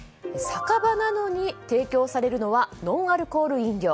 酒場なのに提供されるのはノンアルコール飲料。